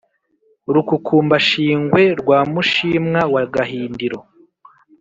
Rukukumbashingwe rwa Mushimwa wa gahindiro,